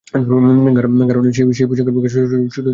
গাঢ় নীল সেই পোশাকের বুকে ছোট ছোট মুক্তো দানা যেন বসানো।